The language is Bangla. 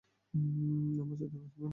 আমার সাথে নাচবেন?